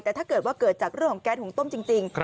แต่ถ้าเกิดว่าเกิดจากเรื่องของแก๊สหุงต้มจริง